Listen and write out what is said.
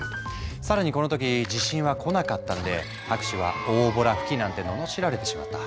更にこの時地震は来なかったんで博士は「大ボラ吹き」なんて罵られてしまった。